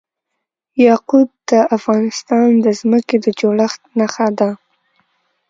یاقوت د افغانستان د ځمکې د جوړښت نښه ده.